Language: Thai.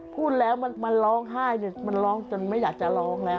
พูดแล้วมันร้องไห้มันร้องจนไม่อยากจะร้องแล้ว